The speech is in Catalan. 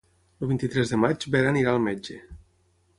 El vint-i-tres de maig na Vera anirà al metge.